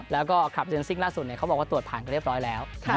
แล้วก็คลับเดือนซิ่งล่าสุดเขาบอกว่าตรวจผ่านไปเรียบร้อยแล้ว